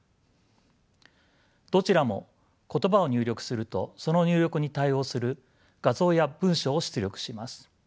どちらも言葉を入力するとその入力に対応する画像や文章を出力します。